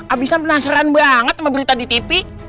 abisan penasaran banget sama berita di tv